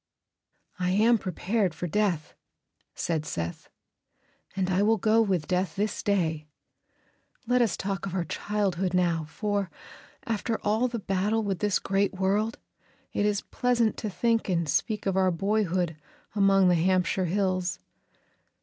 "I am prepared for Death," said Seth, "and I will go with Death this day. Let us talk of our childhood now, for, after all the battle with this great world, it is pleasant to think and speak of our boyhood among the Hampshire hills."